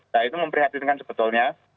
nah itu memprihatinkan sebetulnya